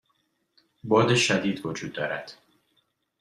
باد شدید وجود دارد.